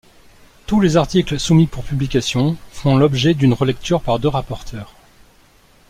Tous les articles soumis pour publication font l'objet d'une relecture par deux rapporteurs.